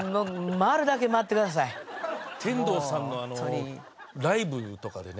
天童さんのライブとかでね